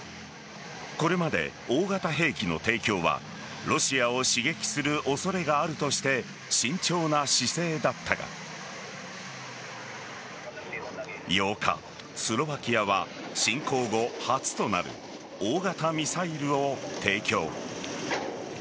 これまで大型兵器の提供はロシアを刺激する恐れがあるとして慎重な姿勢だったが８日スロバキアは侵攻後初となる大型ミサイルを提供。